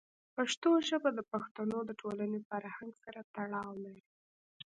پښتو ژبه د پښتنو د ټولنې فرهنګ سره تړاو لري.